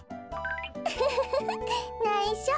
ウフフフフないしょ。